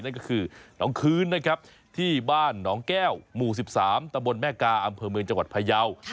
นั่นก็คือน้องคืนนะครับที่บ้านหนองแก้วหมู่๑๓ตะบนแม่กาอำเภอเมืองจังหวัดพยาว